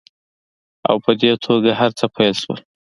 او په دې توګه هرڅه پیل شول